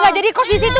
enggak jadi kos disitu